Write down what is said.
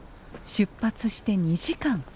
出発して２時間。